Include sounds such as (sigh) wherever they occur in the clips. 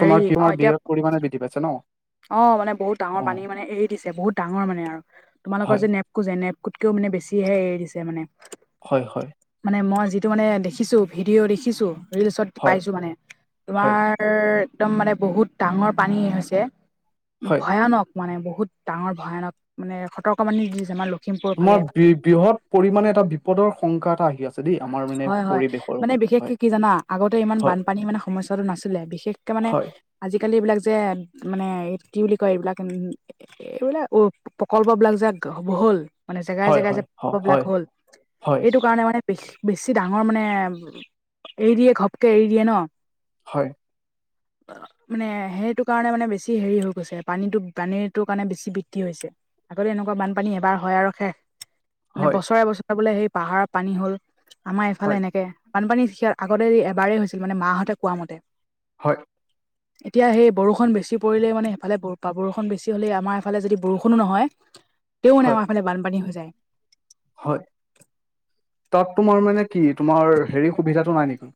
হেৰি তোমাৰ অ কমাৰ এতিয়া বৃহৎ পৰিমাণে বৃদ্ধি পাইছে ন? অ মানে বহুত ডাঙৰ অ পানী মানে এৰি দিছে বহুত ডাঙৰ মানে আৰু তোমালোকৰ হয় যে ন নেপকো যে নেপকোতকেও মানে বেছিহে এৰি দিছে মানে। হয় হয়। মানে মই যিটো মানে দেখিছোঁ ভিডিঅ' দেখিছো ৰিলচত হয় পাইছোঁ মানে হয় তোমাৰ ৰ একদম মানে বহুত ডাঙৰ পানী হৈছে। হয় ভয়ানক মানে বহুত ডাঙৰ ভয়ানক মানে সতৰ্কবাণী দিছে আমাৰ লখিমপুৰ ফালে তোমাৰ বৃ এইফালে বৃহৎ পৰিমাণে এটা বিপদৰ শংকা এটা আহি আছে দেই আমাৰ মানে হয় হয় পৰিৱেশ মানে বিশেষকে কি জানা আগতে ইমান বানপানী মানে সমস্যাটো নাছিলে। বিশেষকে মানে হয় আজিকালি এইবিলাক যে মানে কি বুলি কয় এইবিলাক এই বিলাক অ প্ৰকল্প বিলাক যে হ'ল। মানে জেগাই হয় জেগাই যে হয় প্ৰকল্প বিলাক হয় হ'ল হয় এইটো কাৰণে মানে বেছি বেছি ডাঙৰ মানে এৰি দিয়ে ঘপকে এৰি দিয়ে ন? হয়। মানে সেইটো কাৰণে মানে বেছি হেৰী হৈ গৈছে পানীটো পানীটো কাৰণে বেছি বৃদ্ধি হৈছে। আগতে এনেকুৱা বানপানী এবাৰ হয় আৰু শেষ, মানে হয় বছৰে বছৰে বোলে সেই পাহাৰৰ পানী হ'ল। আমাৰ এইফালে হয় এনেকে বানপানী সিয়া আগতে এবাৰেই হৈছিল মানে মাহঁতে কোৱা মতে। হয়। এতিয়া সেই বৰষুণ বেছি পৰিলে মানে সেইফালে ব পা বৰষুণ বেছি হ'লে আমাৰ এইফালে যদি বৰষুণো নহয় (inaudible) তেতিয়াও মানে আমাৰ ফালে বানপানী হৈ যায়। হয়, তাত তোমাৰ মানে কি তোমাৰ হেৰী সুবিধাটো নাই নেকি?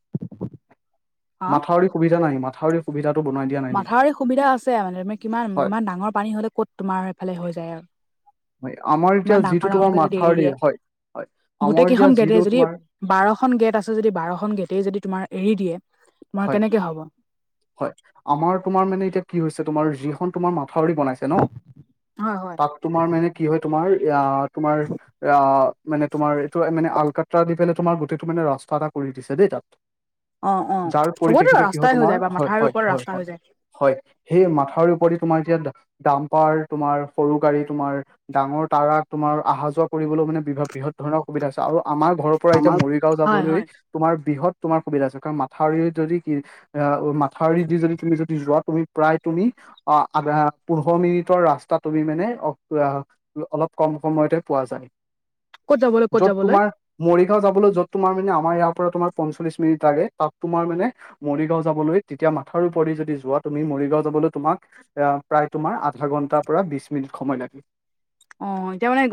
অ মাথাউৰি সুবিধা নাই মাথাউৰি সুবিধাটো বনাই দিয়া নাই নেকি মাথাউৰি সুবিধা আছে মানে তুমি কিমান হয় ইমান ডাঙৰ পানী হ'লে ক'ত তোমাৰ এইফালে হৈ যায়। হয় আমাৰ এতিয়া ইমান যিটো ডাঙৰ তোমাৰ ডাঙৰকে যদি এৰি মাথাউৰি দিয়ে। হয় হয় আমাৰ গোটেই কেইখন এতিয়া গেটে যিটো যদি তোমাৰ বাৰখন গেট আছে যদি বাৰখন গেটেই যদি তোমাৰ এৰি দিয়ে তোমাৰ হয় কেনেকে হ'ব। হয় আমাৰ তোমাৰ মানে এতিয়া কি হৈছে তোমাৰ যিখন তোমাৰ মাথাউৰি বনাইছে ন? হয় হয় তাত তোমাৰ মানে কি হয় তোমাৰ এয়া তোমাৰ আহ মানে তোমাৰ এইটো মানে আলকাট্ৰা দি পেলাই তোমাৰ গোটেইটো মানে ৰাস্তা এটা কৰি দিছে দেই তাত। অ অ যাৰ চবতে পৰিপ্ৰেক্ষিত কি হয় ৰাস্তাই হৈ তোমাৰ যায় বা হয় মাথাউৰি হয় ওপৰত হয় হয় ৰাস্তা হৈ যায়। হয় সেই মাথাউৰি ওপৰেদি তোমাৰ এতিয়া ডা ডাম্পাৰ তোমাৰ সৰু গাড়ী তোমাৰ ডাঙৰ তাৰাক তোমাৰ আহা যোৱা কৰিবলৈ মানে বি বৃহৎ ধৰণৰ সুবিধা হৈছে আৰু আমাৰ ঘৰৰ পৰা এতিয়া মৰিগাঁও হয় যাবলৈ হয় তোমাৰ বৃহৎ তোমাৰ সুবিধা হৈছে কাৰণ মাথাউৰিত যদি কি আ অ মাথাউৰি দি যদি তুমি যদি যোৱা তুমি প্ৰায় তুমি অ আ পোন্ধৰ মিনিটৰ ৰাস্তা তুমি মানে অ অলপ কম সময়তে পোৱা যায়। ক'ত যাবলৈ ক'ত য'ত যাবলৈ তোমাৰ মৰিগাঁও যাবলৈ য'ত তোমাৰ মানে আমাৰ ইয়াৰ পৰা তোমাৰ পঞ্চল্লিশ মিনিট লাগে তাত তোমাৰ মানে মৰিগাঁও যাবলৈ তেতিয়া মাথাউৰিৰ ওপৰেদি যদি যোৱা তুমি মৰিগাঁও যাবলৈ তোমাক এয়া প্ৰায় তোমাৰ আধা ঘন্টাৰ পৰা বিছ মিনিট সময় লাগে। অ এতিয়া মানে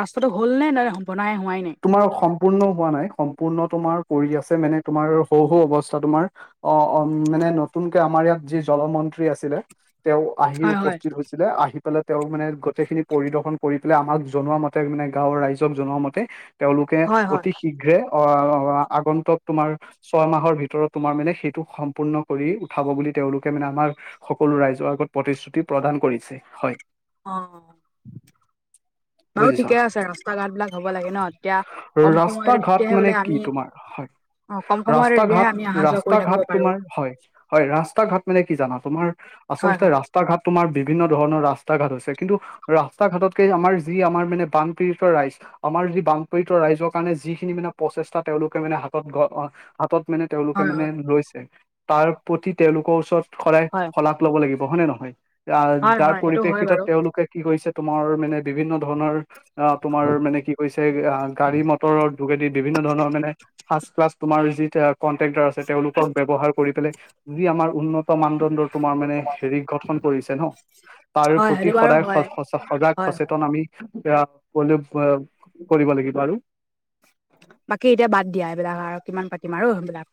ৰাস্তাটো হ'ল নে নে বনাই হোৱাই নাই? তোমাৰ সম্পূৰ্ণ হোৱা নাই সম্পূৰ্ণ তোমাৰ কৰি আছে মানে তোমাৰ হওঁ হওঁ অৱস্থা তোমাৰ অ অ মানে নতুনকে আমাৰ ইয়াত যি জল মন্ত্ৰী আছিলে তেওঁ আহি হয় হয় উপস্থিত হৈছ ছিলে আহি পেলাই তেওঁ মানে গোটেই খিনি পৰিদৰ্শন কৰি পেলাই আমাক জনোৱা মতে মানে গাঁৱৰ ৰাইজক জনোৱা মতে তেওঁলোকে হয় হয় অতি শীঘ্ৰে আহ আগন্তক তোমাৰ ছয় মাহৰ ভিতৰত তোমাৰ মানে সেইটো সম্পূৰ্ণ কৰি উঠাব বুলি তেওঁলোকে মানে আমাৰ সকলো ৰাইজৰ আগত প্ৰতিশ্ৰুতি প্ৰদান কৰিছে, হয়। অ। বাৰু বুজিছা ঠিকে আছে, ৰাস্ত ঘাট বিলাক হ'ব লাগে ন? তেতিয়া কম ৰাস্তা সময়তে তেতিয়াহে ঘাট মানে বোলে আমি কি তোমাৰ হয়। অ কম সময়তে ৰাস্তা তেতিয়াহে ঘাট, আমি অহা যোৱা ৰাস্তা কৰি থাকিব ঘাট পাৰো তোমাৰ হয় হয় ৰাস্তা ঘাট মানে কি জানা? তোমাৰ হয় আচলতে হয় ৰাস্তা ঘাট তোমাৰ বিভিন্ন ধৰণৰ ৰাস্তা ঘাট আছে, কিন্তু ৰাস্তা ঘাটতকে আমাৰ যি আমাৰ মানে বানপীড়িত ৰাইজ আমাৰ যি বান পীড়িত ৰাইজৰ কাৰণে যিখিনি মানে প্ৰচেষ্টা তেওঁলোকে মানে হাতত (unintelligible) হাতত মানে তেওঁলোকে হয় মানে লৈছে, তাৰ প্ৰতি তেওঁলোকৰ ওচৰত সদায় হয় হয় শলাগ ল'ব লাগিব হয় নে নহয়? হয় যাৰ হয় সেইটো হয় পৰিপ্ৰেক্ষিতত বাৰু তেওঁলোকে কি কৰিছে তোমাৰ মানে বিভিন্ন ধৰণৰ অ তোমাৰ মানে কি কৈছে আ গাড়ী মটৰৰ যোগেদি বিভিন্ন ধৰণৰ মানে সাজ তোমাৰ যি কণ্ট্ৰেক্টাৰ আছে তেওঁলোকক ব্যৱহাৰ কৰি পেলাই যি আমাৰ উন্নত মানদণ্ডৰ তোমাৰ মানে হেৰিক গঠন কৰিছে ন তাৰ হয় প্ৰতি সেইটো বাৰু সদায় হয় স সজাগ হয় হয় সচেতন আমি (unintelligible) কৰিব লাগিব আৰু। বাকী এতিয়া বাদ দিয়া এইবিলাক আৰু কিমান পাতিম আৰু সেইবিলাক,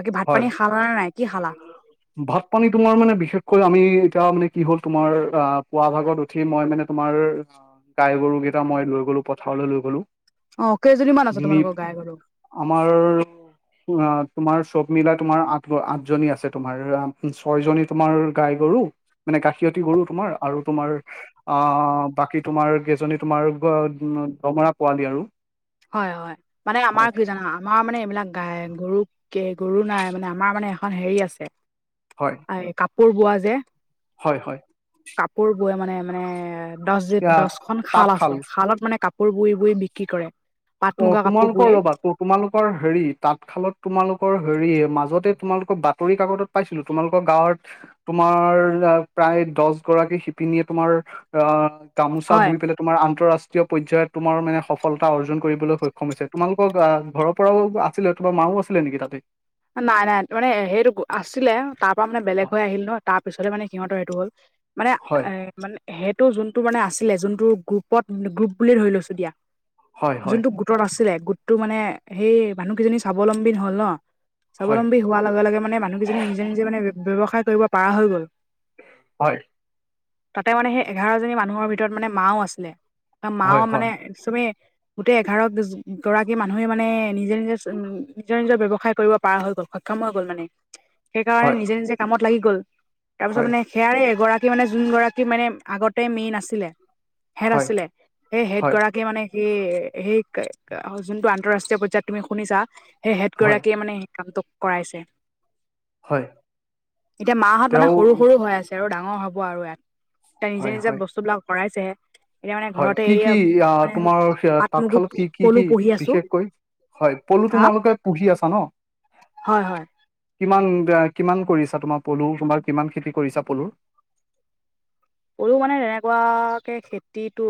বাকী ভাত হয় পানী খালা নে নাই? কি খালা? ভাত পানী তোমাৰ মানে বিশেষকৈ আমি এতিয়া মানে কি হ'ল তোমাৰ অ পুৱা ভাগত উঠি মই মানে তোমাৰ গাই গৰু কেইটা মই লৈ গ'লো পথাৰলৈ লৈ গলো। অ কেইজনীমান আছে নিপ তোমালোকৰ গাই গৰু আমাৰ আ তোমাৰ সব মিলাই তোমাৰ আঠ আঠজনী আছে তোমাৰ ছয় জনী তোমাৰ গাই গৰু মানে গাখিয়তি গৰু তোমাৰ আৰু তোমাৰ অ বাকী তোমাৰ কেইজনী তোমাৰ (inaudible) দমৰা পোৱালি আৰু। হয় হয়, মানে আমাৰ হয় কি জানা? আমাৰ মানে এইবিলাক গাই গৰু কে গৰু নাই মানে আমাৰ মানে এখন হেৰি আছে হয়। কাপোৰ বোৱা যে হয় হয়। কাপোৰ বৈ মানে মানে দছ য এয়া দছখন খাল তাঁতশাল আছে খালত মানে কাপ কোৰ বই বই বিক্ৰী কৰে। পাট অ মুগা কাপোৰ তোমালোকৰ বোৱে ৰ'বা তো তোমালোকৰ হেৰি তাঁতশালত তোমালোকৰ হেৰি, মাজতে তোমালোকৰ বাতৰি কাকতত পাইছিলো তোমালোকৰ গাঁৱত তোমাৰ প্ৰায় দছ গৰাকী শিপিনীয়ে তোমাৰ আহ গামোচা হয় বৈ পেলাই তোমাৰ আন্তঃৰাষ্ট্ৰীয় পৰ্যায়ত তোমাৰ মানে সফলতা অৰ্জন কৰিবলৈ সক্ষম হৈছে। তোমালোকৰ আহ ঘৰৰ পৰাও আছিলে তোমাৰ মাও আছিলে নেকি তাতে? নাই নাই মানে সেইটো আছিলে তাৰ পৰা মানে বেলেগ হৈ আহিল ন তাৰ পিছতে মানে সিহঁতৰ এইটো হ'ল মানে হয় এ মানে সেইটো যোনটো মানে আছিলে যোনটো গ্ৰুপত গ্ৰুপ বুলি ধৰি লৈছো দিয়া, হয় হয় যোনটো গ্ৰপ তত আছিলে গোটটো মানে সেই মানুহকেইজনী স্বাৱলম্বী হ'ল ন। হয় স্বাৱলম্বী হোৱাৰ লগে লগে মানে মানুহকেইজনী নিজে নিজে মানে ব্যৱসায় কৰিব পাৰা হৈ গ'ল। হয়। তাতে মানে সেই এঘাৰজনী মানুহৰ ভিতৰত মানে মাও আছিলে, মাও হয় মানে হয় তুমি (unintelligible) গোটেই এঘাৰ (unintelligible) গৰাকী মানুহে মানে নিজে-নিজে নিজৰ নিজৰ ব্যৱসায় কৰিব পাৰ হৈ গ'ল, সক্ষম হৈ গল মানে। সেইকাৰণে হয় নিজে-নিজে কামত লাগি গ'ল তাৰ পিছত হয় মানে সেয়াৰে এগৰাকী মানে যোনগৰাকী মানে আগতে মেইন আছিলে (unintelligible) হেট হয় আছিলে, সেই হেট হয় গৰাকী মানে (inaudible) সেই-সেই (unintelligible) যোনটো আন্তৰাষ্ট্ৰীয় পৰ্যায়ত তুমি শুনিছা সেই হেড হয় গৰাকীয়ে মানে কাম কৰাইছে। হয় তেতিয়া মাহঁত মানে তেওঁ সৰু-সৰু হৈ আছে। (unintelligible) তে আৰু ডাঙৰ হ'ব আৰু ইয়াত এতিয়া হয় নিজে-নিজে হয় বস্তুবিলাক ভৰাইছেহে। এতিয়া মানে হয় ঘৰতে এইয়া কি-কি (unintelligible) মানে তোমাৰ পাট মগু তাঁতশালত পলু কি-কি-কি পুহি আছো বিশেষকৈ (inaudible) হয়, পলু তোমালোকে পুহি আছা ন? হয়-হয়। কিমান-কিমান কৰিছা তোমাৰ পলু, তোমাৰ কিমান খেতি কৰিছা পলুৰ? (inaudible) পলু মানে তেনেকুৱাকে খেতিটো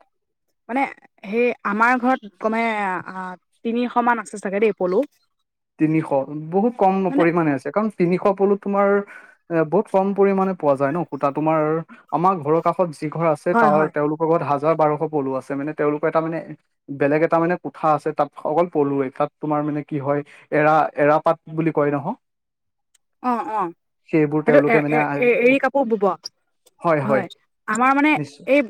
(inaudible) মানে সেই আমাৰ ঘৰত কমে আহ তিনিশমান আছে চাগে দেই পলু (unintelligible) তিনিশ বহুত কম মানে পৰিমানে আছে। কাৰণ তিনিশ পলো তোমাৰ এ বহুত কম পৰিমানে পোৱা যায় ন সূতা তোমাৰ, আমাৰ ঘৰৰ কাষত যি ঘৰ আছে হয় তাৰ হয় তেওঁলোক (unintelligible) লগত হাজাৰ বাৰশ পলু আছে মানে তেওঁলোকৰ এটা মানে (unintelligible) বেলেগ এটা মানে কোঠা আছে, তাত অকল পলুৱেই তাত তোমাৰ মানে কি হয় (inaudible) এৰা-এৰাপাট বুলি কয় নহয় (inaudible) অঁ-অঁ সেইবোৰ সেইটো তেওঁলোকে মানে এ-এ-এ-এৰি কাপোৰ বো-বোৱা (unintelligible) হয় আমাৰ মানে নিশ্চয় এই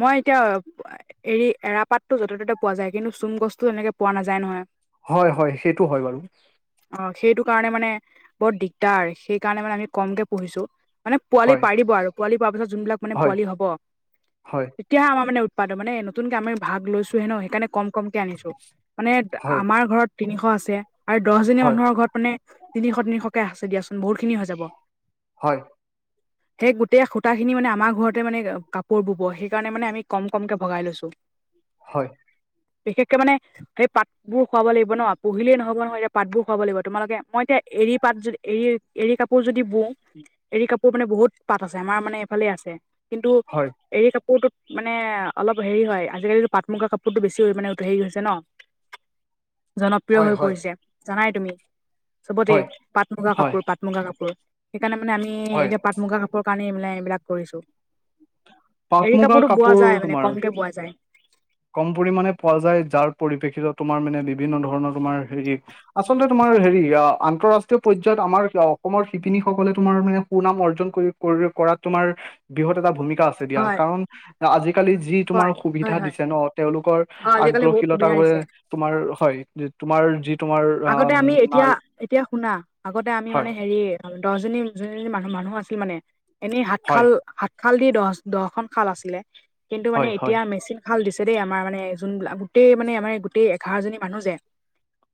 মই এতিয়া (unintelligible) এৰি এৰাপাততো য'তে ত'তে পোৱা যায় কিন্তু চুম গছতো এনেকে পোৱা নাযায় নহয় (inaudible) হয়-হয় সেইটো হয় বাৰু। (unintelligible) অঁ সেইটো কাৰণে মানে বৰ দিগদাৰ। সেই কাৰণে মানে আমি কমকে পুহিছো। (inaudible) মানে পোৱালি হয় পাৰিব আৰু পোৱালি পৰা পিছত যোনবিলাক মানে হয় পোৱালি হব (unintelligible) হয় তেতিয়া আমাৰ মান উৎপাদন মানে নতুনকে আমি ভাগ লৈছোহে ন, সেইকাৰণে কম (unintelligible) কমকে আনিছো, মানে হয় আমাৰ ঘৰত তিনিশ আছে আৰু দহজনী হয় মানুহৰ ঘৰত মানে (inaudible) তিনিশ-তিনিশকে আছে দিয়াচোন বহুতখিনি হৈ যাব। হয়। সেই গোটেই সূতাখিনি মানে আমাৰ ঘৰতে মানে কাপোৰ বব সেইকাৰণে মানে আমি কম-কমকে ভগাই লৈছোঁ। (inaudible) হয়। বিশেষকে মানে সেই পাতবোৰ খুৱাব লাগিব ন। পুহিলেই নহ'ব নহয় এতিয়া পাতবোৰ খুৱাব লাগিব তোমালোকে মই এতিয়া এৰি (unintelligible) পাত যদি এৰী-এৰী কাপোৰ যদি বওঁ, এৰী কাপোৰ (unintelligible) মানে বহুত পাত আছে, আমাৰ মানে এইফালে আছে কিন্তু (unintelligible) হয়। এৰী কাপোৰটোত মানে অলপ হেৰি হয় আজিকালিতো পাট-মুগা কাপোৰটো বেছি মানে উম হেৰি হৈছে ন (unintelligible) (unintelligible) জনপ্ৰিয় হৈ পৰিছে, জানাই তুমি চবতে হয় পাট-মুগা হয় কাপোৰ, পাট-মুগা কাপোৰ। (inaudible) সেইকাৰণে মানে আমি হয় এতিয়া পাট-মুগা কাপোৰৰ কাৰণেই মানে এইবিলাক কৰিছোঁ। (unintelligible) পাট এৰী মুগাৰ কাপোৰতো কাপোৰ বোৱা যায় মানে তোমাৰ কমকে বোৱা যায়। (unintelligible) কম পৰিমানে পোৱা যায়। যাৰ পৰিপ্ৰেক্ষিতত তোমাৰ মানে বিভিন্ন ধৰণৰ তোমাৰ হেৰি (inaudible) আচলতে তোমাৰ হেৰি আন্তঃৰাষ্ট্ৰীয় পৰ্যায়ত আমাৰ অসমৰ শিপিনীসকলে তোমাৰ মানে সুনাম অৰ্জন কৰি (unintelligible) কৰিব পৰাত তোমাৰ বৃহৎ এটা ভূমিকা আছে। (unintelligible) (unintelligible) দিয়া হয় কাৰণ আজিকালি যি তোমাৰ হয় সুবিধা হয় হয় দিছে ন তেওঁলোকৰ অ আজিকালি বহুত আগ্ৰশীলতা সুবিধা ৱে দিছে তোমাৰ হয় তোমাৰ যি তোমাৰ আ আগতে আমি নাৰী এতিয়া এতিয়া শুনা, আগতে আমি হয়, মানে হেৰি দহজনী নি মানুহ মানুহ আছিল মানে এনেই হাত হয়, খালা খাল দি দচ দহখন খাল আছিলে কিন্তু মানে হয়, হয়, এতিয়া মেচিন ভাল দিছে দেই আমাৰ মানে যোন বিলাক গোটেই মানে আমাৰ গোটেই এঘাৰজনী মানুহ যে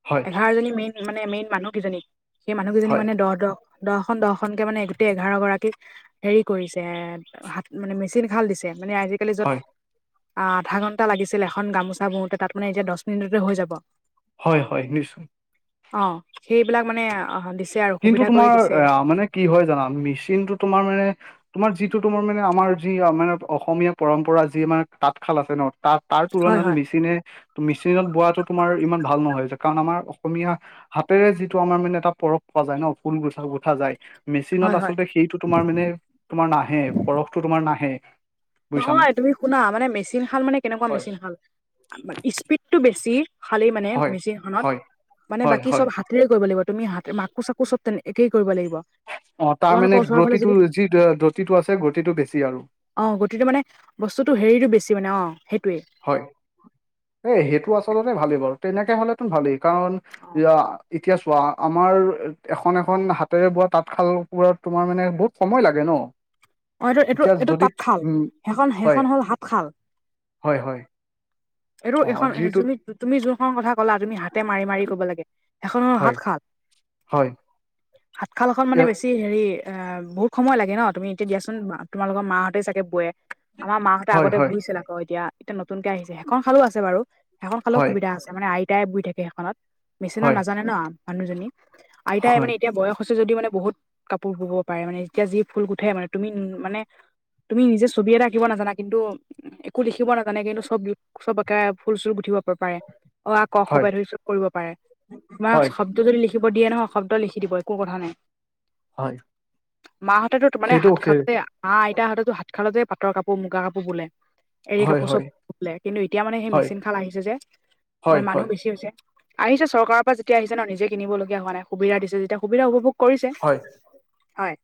হয়, তাৰ এজনী মেইন মানে মেইন মানুহকেইজনী সেই মানুহকেইজনী হয়, মানে দহ দহ দহখন দহখনকে মানে গোতেই‌ এঘাৰ গৰাকী হেৰি কৰিছে, হাত মানে মেচিন খাল দিছে মানে আজি কালি যত হয়, আধা ঘণ্টা লাগিছিল এখন গামোচা বওঁতে তাত মানে এতিয়া দহ মিনিটতে হৈ যাব। হয় হয় নিশ্চ অ, সেইবিলাক মানে অঁ দিছ কিন্তু তোমাৰ এ মানে কি হয় জানা মেচিনটো তোমাৰ মানে। তোমাৰ যিটো তোমাৰ মানে, আমাৰ যি মানে, অসমীয়া পৰম্পৰা যি মানে তাঁতশাল আছে ন তা তাৰ হয় পুৰণাত হয় মেচিনে মেচিনত বোৱাটো তোমাৰ ইমান ভাল নহয়, তে কাৰণ আমাৰ অসমীয়া হাতেৰে যিটো আমাৰ মানে এটা পৰ খোৱা যায় ন, ফুল গঠা গুঠা যায়। মেচিনত হয় হয় আচলতে সেইটো তোমাৰ মানে তোমাৰ নাহে, পৰশটো তোমাৰ নাহে। বুজিছানে? নহয় তুমি শুনা, মানে মেচিন শাল মানে কেনেকুৱা হয়, মেচিন শাল স্পীডটো বেছি। খালি মানে হয়, মেচিন খনত, হয়, মানে হয়, বাকী হয়। চব হাত হাতেৰেই কৰিব লাগিব তুমি হাত মাকো চাকো চব তেনে একেই কৰিব লাগিব। অঁ তাৰ তোমালোকৰ মানে ওচৰৰ ফালে যদি গ্ৰতিটোৰ যি দ্ৰতিটো আছে গতিটো বেছি আৰু অঁ গতিটো মানে বস্তুতটো হেৰিটো বেছি মানে অঁ সেইটোৱে। হয়। এ সেইটো আচলতে ভালেই বাৰু তেনেকে হলেতো ভালেই কাৰণ অ ইয়া এতিয়া চোৱা আমাৰ এখন এখন হাতেৰে বোৱা তাঁতশাল বোৰত তোমাৰ মানে বহুত সময় লাগে ন অ এইটো এতিয়া যদি উম হয়। সাত খাল হয় হয়। এইটো অ এইখন যো যিটোত তুমি যোনখন কথা ক'লা তুমি হাতে মাৰি মাৰি কব লাগে। এখনত হয় হাত সাত হয়। সাত শালখন এ মানে বেছি হেৰি অ বহুত সময় লাগে ন তুমি এতিয়াচোন তোমালোকৰ মাহঁতেই চাগে বে আমাৰ মাহঁতে হয় আগতে হয় বহিছিল আকৌ এতিয়া এতিয়া নতুনকে আহিছে, সেইখন শালো আছে বাৰু সেইখন শালো হয় সুবিধা আছে মানে আইতাই বৈ থাকে সেইখনত। নিচিনা হয় নাজানে ন মানুহজনী আইতাই হয় মানে এতিয়া বয়স হৈছে যদিও মানে বহুত কাপোৰ বুব পাৰে মানে যেতিয়া যি ফুল গুঠে মানে তুমি মানে তুমি নিজে ছবি এটা আঁকিব নাজানা কিন্তু একো দেখিব নাজানে, কিন্তু চব চব একে ফুল চুল গুঠিব পাৰে। অ, আ, ক, খ হয় পাই ধৰি চব কৰিব পাৰে তোমাক হয় শব্দ যদি লিখিব দিয়ে নহয় শব্দ লিখি দিবই একো কথা নাই, হয় মাহঁতেতো ত মানে সেইটো হাত সেই আ মা আইতাহঁতেতো সাত শাল যে পাটৰ কাপোৰ মুগা কাপোৰ বলে। এৰি হয় কাপোৰ চব হয় বলে। কিন্তু এতিয়া মানে সেই হয় মেচিন খাল আহিছে যে হয় মানে মানুহ হয় বেছি হৈছে। আহিছে চৰকাৰৰ পৰা যেতিয়া আহিছে ন, নিজে কিনিবলগীয়া হোৱা নাই। সুবিধা দিছে যেতিয়া সুবিধা উপভোগ কৰিছে। হয়। হয়।